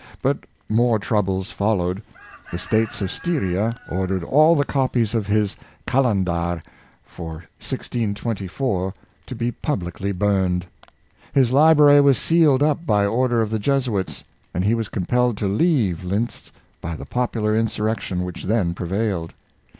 But more troubles followed. The States of Styria ordered all the copies of his '* Kalen dar" for 1624 to be publicly burned. His library was sealed up by order of the Jesuits, and he was compelled to leave Lintz by the popular insurrection which then prevailed.